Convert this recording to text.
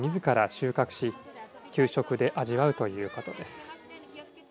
収穫し給食で味わうということです。